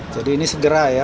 jadi ini segera ya